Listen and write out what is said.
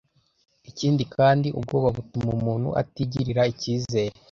Ikindi kandi ubwoba butuma umuntu atigirira icyizere